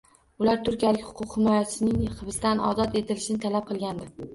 Ular turkiyalik huquq himoyachisining hibsdan ozod etilishini talab qilgandi